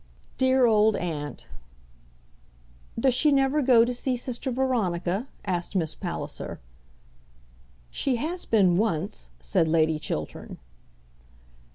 "Dear old aunt!" "Does she never go to see Sister Veronica?" asked Miss Palliser. "She has been once," said Lady Chiltern.